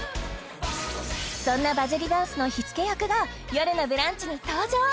そんなバズりダンスの火付け役が「よるのブランチ」に登場！